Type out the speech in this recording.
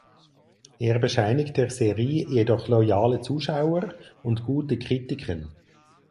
Er bescheinigt der Serie jedoch loyale Zuschauer und gute Kritiken.